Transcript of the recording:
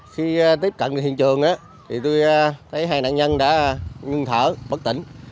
khi tiếp cận hiện trường tôi thấy hai nạn nhân đã ngưng thở bất tỉnh